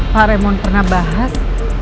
pak remon pernah bahas